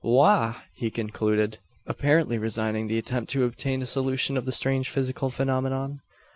"Wagh!" he concluded, apparently resigning the attempt to obtain a solution of the strange physical phenomenon.